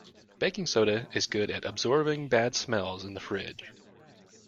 Baking soda is good at absorbing bad smells in the fridge.